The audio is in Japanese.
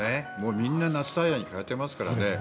みんな夏タイヤに替えていますからね。